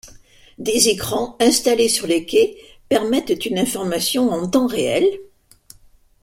Des écrans installés sur les quais permettent une information en temps réel.